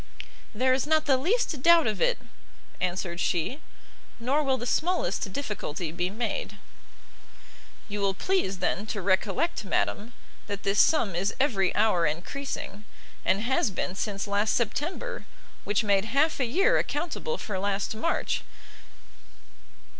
"There is not the least doubt of it," answered she; "nor will the smallest difficulty be made." "You will please, then, to recollect, madam, that this sum is every hour encreasing; and has been since last September, which made half a year accountable for last March.